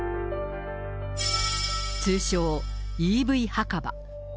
通称、ＥＶ墓場。